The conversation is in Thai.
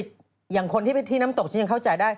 โอเคอย่างคนที่ไปที่น้ำตกฉันเข้าใจได้